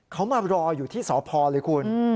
เขามารออยู่ที่สพเลยคุณ